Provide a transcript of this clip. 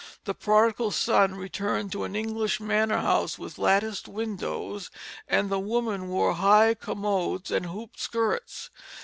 The Prodigal Son returned to an English manor house with latticed windows, and the women wore high commodes and hoop skirts.